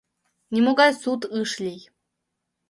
Нимогай суд ыш лий.